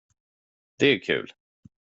Det är kul.